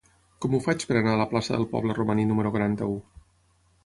Com ho faig per anar a la plaça del Poble Romaní número quaranta-u?